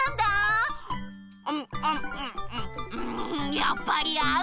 やっぱりあう！